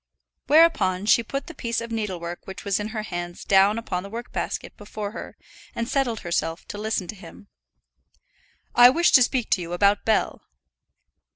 Whereupon she put the piece of needlework which was in her hands down upon the work basket before her, and settled herself to listen to him. "I wish to speak to you about Bell."